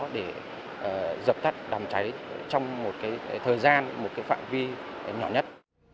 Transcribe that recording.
để dập tắt đàm cháy trong một thời gian một phạm vi nhỏ nhất